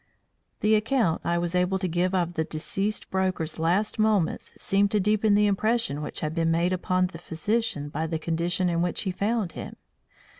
The account I was able to give of the deceased broker's last moments seemed to deepen the impression which had been made upon the physician by the condition in which he found him.